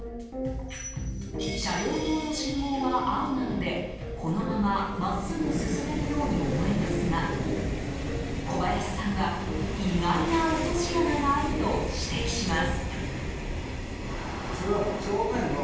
車両用の信号は青なのでこのまま真っすぐ進めるように思えますが小林さんは、意外な落とし穴があると指摘します。